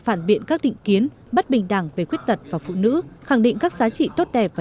phản biện các định kiến bất bình đẳng về khuyết tật và phụ nữ khẳng định các giá trị tốt đẹp và